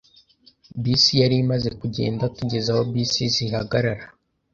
Bisi yari imaze kugenda tugeze aho bisi zihagarara.